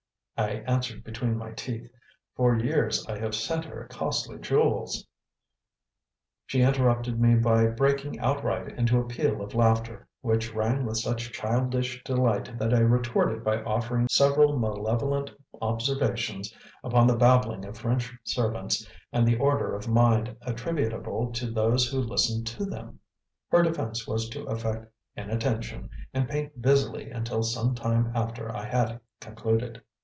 I answered between my teeth. "For years I have sent her costly jewels " She interrupted me by breaking outright into a peal of laughter, which rang with such childish delight that I retorted by offering several malevolent observations upon the babbling of French servants and the order of mind attributable to those who listened to them. Her defence was to affect inattention and paint busily until some time after I had concluded.